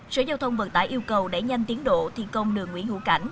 sở giao thông vận tải yêu cầu đẩy nhanh tiến độ thi công đường nguyễn hữu cảnh